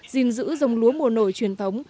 gìn giữ dòng lúa mùa nổi truyền thống